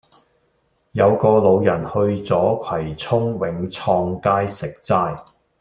有個老人去左葵涌永創街食齋